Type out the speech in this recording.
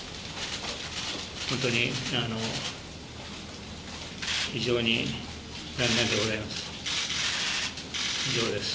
本当に非常に残念でございます。